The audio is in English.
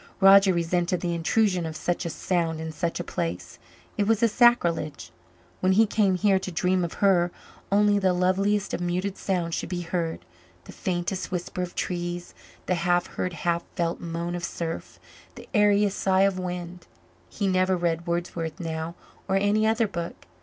Roger resented the intrusion of such a sound in such a place it was a sacrilege. When he came here to dream of her, only the loveliest of muted sounds should be heard the faintest whisper of trees, the half heard, half felt moan of surf, the airiest sigh of wind. He never read Wordsworth now or any other book.